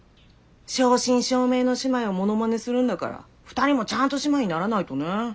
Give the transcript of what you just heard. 正真正銘の姉妹をモノマネするんだから２人もちゃんと姉妹にならないとね。